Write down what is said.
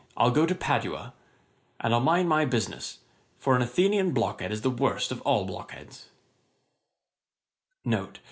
I'll go to Padua. And I'll mind my business. For an Athenian blockhead is the worst of all blockheads.'